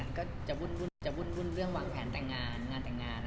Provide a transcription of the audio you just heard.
ถ้าจนถึงวันนี้ก็จะวุ่นเรื่องหวังแผนแต่งงาน